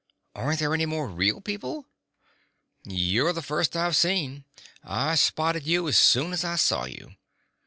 "Aren't there any more real people?" "You're the first I've seen. I spotted you as soon as I saw you.